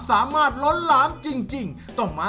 แต่ซ่ามหาสมมุทรนะครับยังไม่ได้คะแนนจากคณะกรรมการเลย